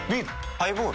ハイボール？